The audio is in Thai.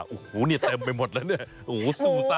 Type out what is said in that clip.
โอ้โหเนี่ยเติมไปหมดแล้วเนี่ย